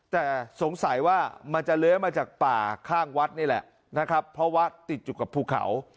แต่สงสัยว่ามันจะเลื้อยมาจากป่าข้างวัดนี่แหละนะครับเพราะวัดติดอยู่กับภูเขา